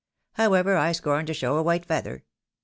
However, I scorn to show a white feather